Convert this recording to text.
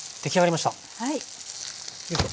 よいしょ。